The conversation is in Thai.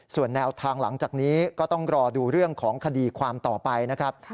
ส่วนแนวทางหลังจากนี้ก็ต้องรอดูเรื่องของคดีความต่อไปนะครับ